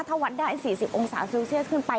ถ้าวัดได้๔๐องศาเซลเซียสขึ้นไป